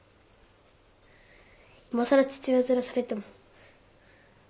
いまさら父親面されても。